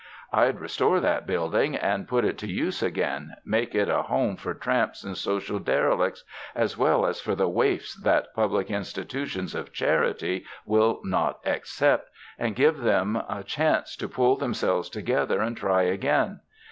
I'd restore that building and put it to use again, make it a home for tramps and social derelicts, as well as for the waifs that public institutions of charity will not accept, and give 'em a chance to pull themselves together and try again.